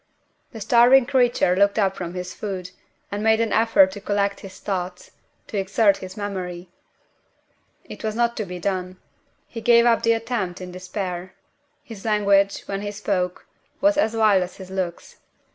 The starving creature looked up from his food, and made an effort to collect his thoughts to exert his memory. It was not to be done. He gave up the attempt in despair. His language, when he spoke, was as wild as his looks.